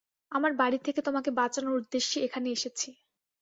আমার বাড়ি থেকে তোমাকে বাঁচানোর উদ্দেশ্যে এখানে এসেছি।